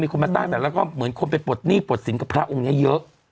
คนมาตั้งแต่แล้วก็เหมือนคนไปปลดหนี้ปลดสินกับพระองค์นี้เยอะ